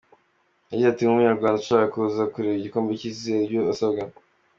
Yagize ati “Nk’Umunyarwanda ushaka kuza kureba igikombe cy’Isi hari ibyo asabwa.